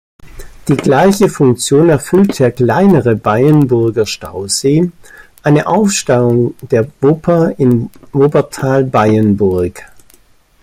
Die gleiche Funktion erfüllt der kleinere Beyenburger Stausee, eine Aufstauung der Wupper in Wuppertal-Beyenburg.